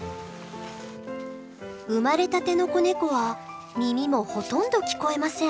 生まれたての子ネコは耳もほとんど聞こえません。